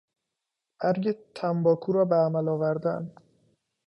برگ تنباکو را به عمل آوردن